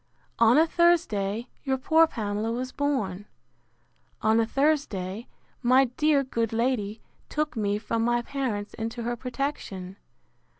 —On a Thursday your poor Pamela was born. On a Thursday my dear good lady took me from my parents into her protection.